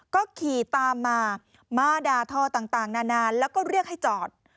ก็ขี่ตามมามาด่าทอต่างนานแล้วก็เรียกให้จอด